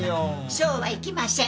そうはいきません！